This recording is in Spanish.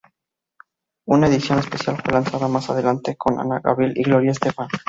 Una edición especial fue lanzada más adelante, con Ana Gabriel y Gloria Estefan.